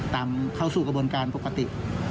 เข้าสู่กระบวนการปกติ